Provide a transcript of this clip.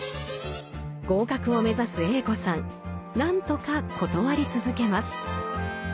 合格を目指すＡ子さん何とか断り続けます。